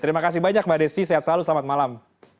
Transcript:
terima kasih banyak mbak desi sehat selalu selamat malam